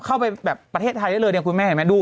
เข้าไปแบบประเทศไทยได้เลยเนี่ยคุณแม่เห็นไหมดู